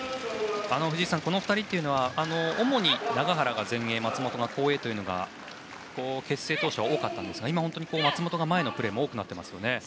藤井さん、この２人は主に永原が前衛松本が後衛というのが結成当初は多かったんですが今は、松本が前のプレーも多くなっていますよね。